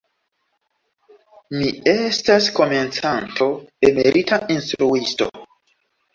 Mi estas komencanto, emerita instruisto.